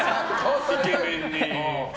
イケメンに。